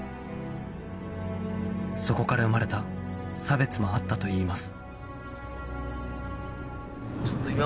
そこから生まれた差別もあったといいます